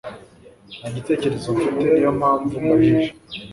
Nta gitekerezo mfite. Niyo mpamvu mbajije.